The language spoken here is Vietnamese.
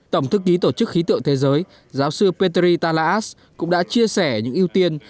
tổng thức ký tổ chức khí tượng thế giới giáo sư petri talaas cũng đã chia sẻ những ưu tiên